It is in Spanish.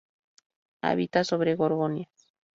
Habita sobre gorgonias.